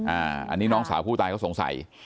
อันนี้น้องสาวผู้ตายเขาสงสัย